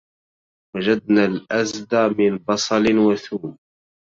وجدنا الأزد من بصل وثوم